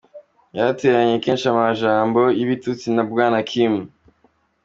Yarateranye kenshi amajambo y'ibitusti na Bwana Kim.